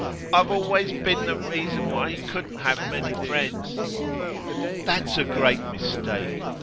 'I've always been the reason why he couldn't have many friends.' 'That's a great mistake.